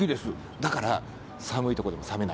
だから、寒いところでも冷めない。